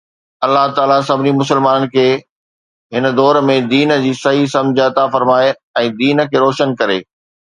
الله تعاليٰ سڀني مسلمانن کي هن دور ۾ دين جي صحيح سمجھ عطا فرمائي ۽ دين کي روشن ڪري